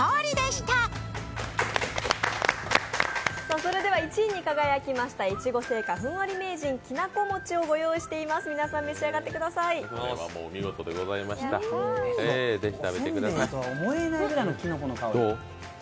それでは１位に輝きました越後製菓・ふんわり名人きなこ餅をご用意しています、皆さん、召し上がってください。